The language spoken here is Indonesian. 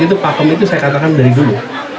itu pakem itu saya katakan dari dulu